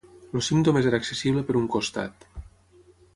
El cim només era accessible per un costat.